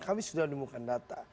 kami sudah menemukan data